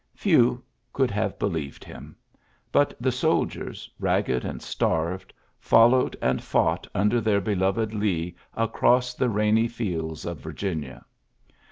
Few could have believed hiuL B the soldiers, ragged and starved, follow and fought under their beloved I across the rainy fields of Virginia.